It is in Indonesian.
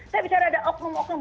saya bicara ada oknum oknum